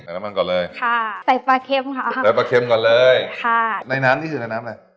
น้ำมันก่อนเลยค่ะใส่ปลาเค็มค่ะใส่ปลาเค็มก่อนเลยค่ะในน้ำนี่คือในน้ำอะไร